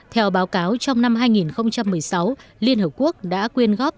theo báo cáo trong năm hai nghìn một mươi sáu liên hợp quốc đã quyên góp